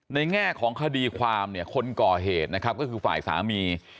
แง่ของคดีความเนี่ยคนก่อเหตุนะครับก็คือฝ่ายสามี